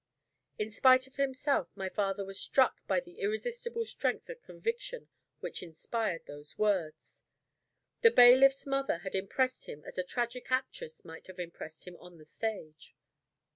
In spite of himself, my father was struck by the irresistible strength of conviction which inspired those words. The bailiff's mother had impressed him as a tragic actress might have impressed him on the stage.